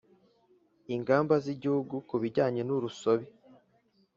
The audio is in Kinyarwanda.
Ingamba z Igihugu ku bijyanye n urusobe